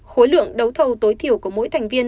khối lượng đấu thầu tối thiểu của mỗi thành viên